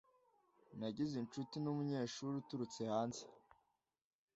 Nagize inshuti numunyeshuri uturutse hanze.